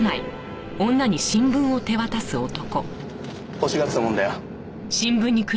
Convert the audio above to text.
欲しがってたものだよ。